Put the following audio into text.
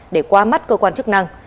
để qua mắt cơ quan chức năng